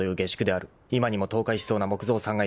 ［今にも倒壊しそうな木造３階建て］